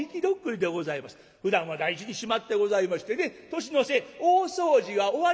ふだんは大事にしまってございましてね年の瀬大掃除が終わりました